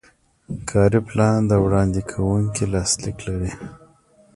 کاري پلان د وړاندې کوونکي لاسلیک لري.